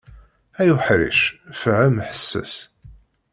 Ay uḥric fhem ḥesses.